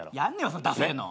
そんなダセえの。